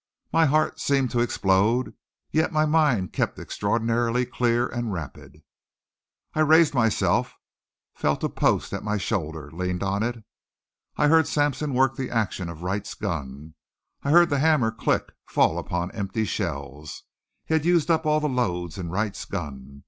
My heart seemed to explode, yet my mind kept extraordinarily clear and rapid. I raised myself, felt a post at my shoulder, leaned on it. I heard Sampson work the action of Wright's gun. I heard the hammer click, fall upon empty shells. He had used up all the loads in Wright's gun.